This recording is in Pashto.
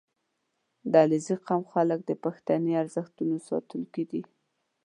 • د علیزي قوم خلک د پښتني ارزښتونو ساتونکي دي.